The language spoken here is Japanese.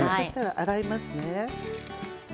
洗いますね。